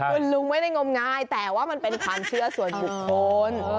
คุณลุงไม่ได้งมงายแต่ว่ามันเป็นความเชื่อส่วนบุคคล